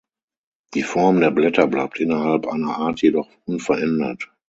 Die Form der Blätter bleibt innerhalb einer Art jedoch unverändert.